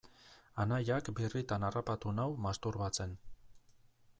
Anaiak birritan harrapatu nau masturbatzen.